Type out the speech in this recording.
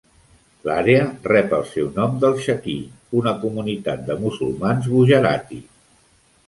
L'àrea rep el seu nom del Chakee, una comunitat de musulmans Gujarati.